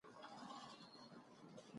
ایا زه باید نږدې سفر وکړم؟